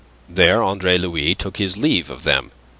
There Andre Louis took his leave of them.